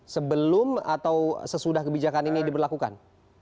sebelum atau sesudah kebijakan ini diberlakukan